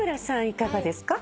いかがですか？